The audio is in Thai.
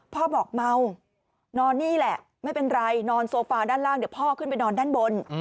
พ่อบอกเมานอนนี่แหละไม่เป็นไรนอนโซฟาด้านล่างเดี๋ยวพ่อขึ้นไปนอนด้านบน